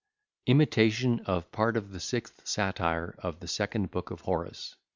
IMITATION OF PART OF THE SIXTH SATIRE OF THE SECOND BOOK OF HORACE.